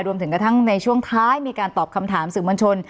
รวมถึงกระทั่งในช่วงท้ายมีการตอบคำถามสื่อมวลชน